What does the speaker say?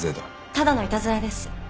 ただのいたずらです。